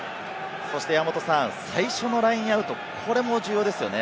最初のラインアウト、これも重要ですね。